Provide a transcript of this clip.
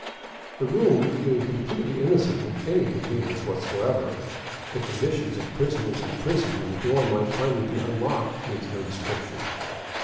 The room being completely innocent of any convenience whatever, the conditions of prisoners and prison when the door might finally be unlocked needs no description.